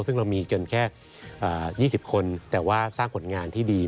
ซึ่งเรามีจนแค่๒๐คนแต่ว่าสร้างผลงานที่ดี